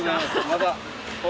まだ。